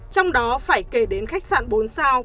trong đó phải kể đến khách sạn bốn sao